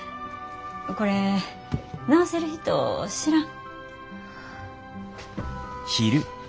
これ直せる人知らん？